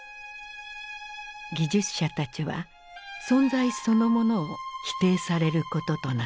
技術者たちは存在そのものを否定されることとなった。